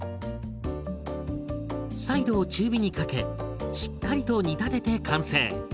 再度中火にかけしっかりと煮立てて完成。